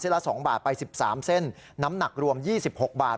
ละ๒บาทไป๑๓เส้นน้ำหนักรวม๒๖บาท